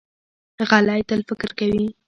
غلی، تل فکر کوي.